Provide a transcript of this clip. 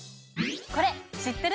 これ知ってる？